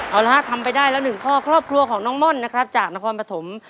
เอาละฮะทำไปได้แล้วหนึ่งข้อครอบครัวของน้องม่อนนะครับจากนครปฐม